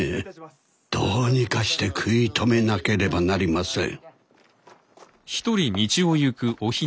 どうにかして食い止めなければなりません